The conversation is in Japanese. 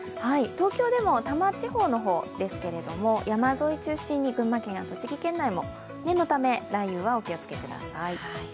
東京でも多摩地方ですけれども山沿いを中心に群馬県や栃木県内も念のため、雷雨にはお気をつけください。